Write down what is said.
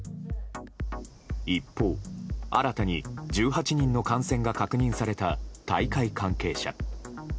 一方、新たに１８人の感染が確認された大会関係者。